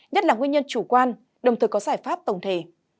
nhất là nguyên nhân chủ quan đồng thời có giải pháp tổng thể